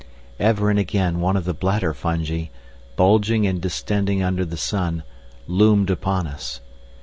Ever and again one of the bladder fungi, bulging and distending under the sun, loomed upon us.